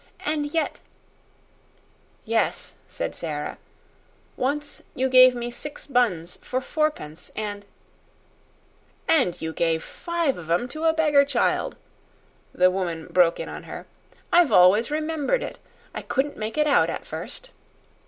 "And yet " "Yes," said Sara; "once you gave me six buns for fourpence, and " "And you gave five of 'em to a beggar child," the woman broke in on her. "I've always remembered it. I couldn't make it out at first."